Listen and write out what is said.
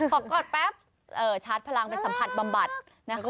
พอกอดแป๊บชาร์จพลังไปสัมผัสบำบัดนะคะ